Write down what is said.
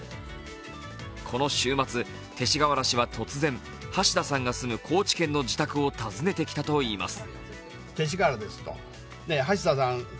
この週末、勅使河原氏は突然、橋田さんが住む高知県の自宅を訪ねてきたといいます。